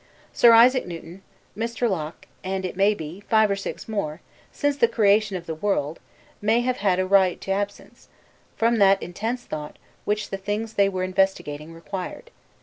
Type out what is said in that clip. Sir Isaac Newton, Mr. Locke, and (it may be) five or six more, since the creation of the world, may have had a right to absence, from that intense thought which the things they were investigating required.